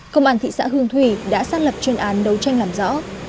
công an thị xã hương thủy đã xác lập chuyên án đấu tranh làm rõ